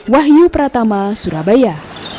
wahyu pratama surabaya